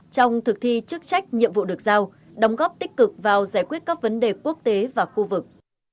trong thực thi chức trách nhiệm vụ được giao đóng góp tích cực vào giải quyết các vấn đề quốc tế và khu vực